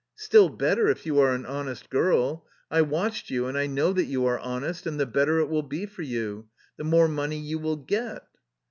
" Still better, if you are an honest girl. I watched you, and I know that you are honest, and the better it will be for you ; the more money you will get."